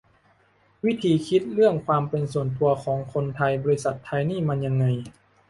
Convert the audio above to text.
วิธีคิดเรื่องความเป็นส่วนตัวของคนไทยบริษัทไทยนี่มันยังไง